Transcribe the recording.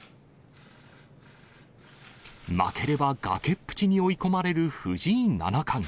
負ければ崖っぷちに追い込まれる藤井七冠。